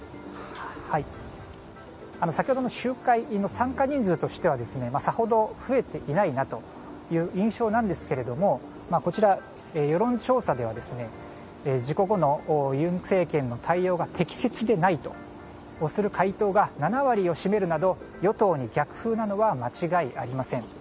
先ほどの集会の参加人数としてはさほど、増えていないという印象なんですが世論調査では事故後の尹政権の対応が適切でないとする回答が７割を占めるなど与党に逆風なのは間違いありません。